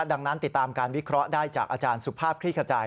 ดังนั้นติดตามการวิเคราะห์ได้จากอาจารย์สุภาพคลี่ขจาย